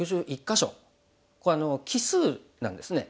これ奇数なんですね。